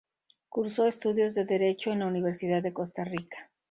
Cursó estudios de Derecho en la Universidad de Costa Rica.